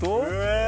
え！